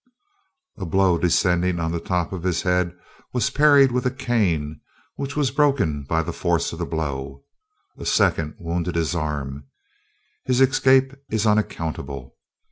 "A blow descending on the top of his head he parried with a cane, which was broken by the force of the blow. A second wounded his arm. His escape is unaccountable.